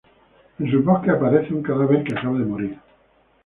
En sus bosques aparece un cadáver que acaba de morir.